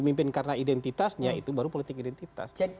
menurut saya itu politik identitas